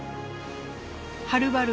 はるばる